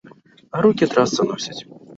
А рукі трасца носіць.